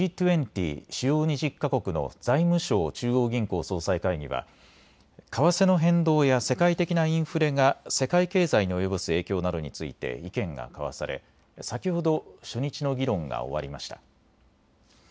主要２０か国の財務相・中央銀行総裁会議は、為替の変動や世界的なインフレが世界経済に及ぼす影響などについて意見が交わされ、先ほど初日の議論が終わりました。